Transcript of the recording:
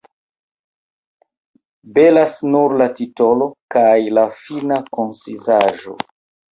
Belas nur la titolo kaj la fina koncizaĵo.